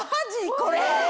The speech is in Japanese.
これ。